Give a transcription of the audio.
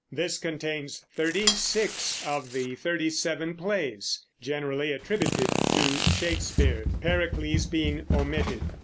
This contains thirty six of the thirty seven plays generally attributed to Shakespeare, Pericles being omitted.